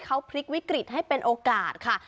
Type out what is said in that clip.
เขาพลิกวิกฤตให้เป็นโอกาสค่ะ